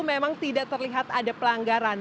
memang tidak terlihat ada pelanggaran